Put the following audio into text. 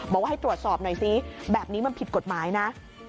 บอกว่าให้ตรวจสอบหน่อยซิแบบนี้มันผิดกฎหมายนะ